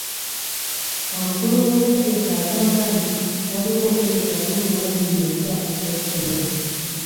Omukulu w'entegeka agamba nti waliwo entegeka kkumi na bbiri empya ez'essomero.